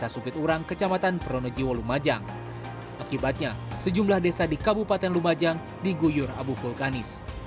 akibatnya sejumlah desa di kabupaten lumajang diguyur abu vulkanis